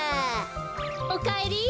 おかえり。